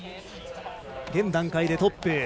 現段階でトップ。